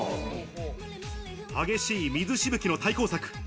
激しい水しぶきの対抗策。